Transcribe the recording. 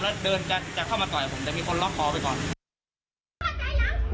แล้วเดินจะเข้ามาต่อยผมแต่มีคนล็อกคอไปก่อน